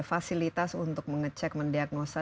fasilitas untuk mengecek mendiagnosa